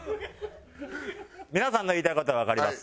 皆さんの言いたい事はわかります。